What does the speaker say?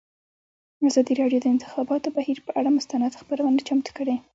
ازادي راډیو د د انتخاباتو بهیر پر اړه مستند خپرونه چمتو کړې.